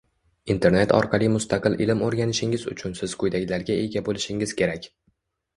Internet orqali mustaqil ilm o’rganishingiz uchun Siz quyidagilarga ega bo’lishingiz kerak